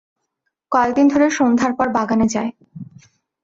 কয়েক দিন ধরে সন্ধ্যার পর বাগানে যায়।